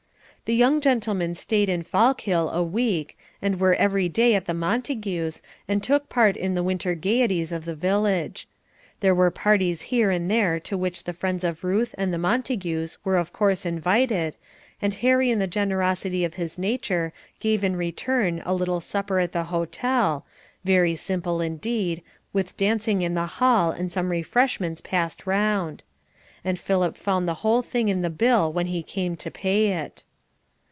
The young gentlemen stayed in Fallkill a week, and were every day at the Montagues, and took part in the winter gaieties of the village. There were parties here and there to which the friends of Ruth and the Montagues were of course invited, and Harry in the generosity of his nature, gave in return a little supper at the hotel, very simple indeed, with dancing in the hall, and some refreshments passed round. And Philip found the whole thing in the bill when he came to pay it.